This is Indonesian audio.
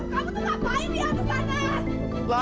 kamu tuh ngapain di atas sana